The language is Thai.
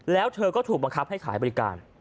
แล้วเธอก็ถูกบังคับให้ขายบริการ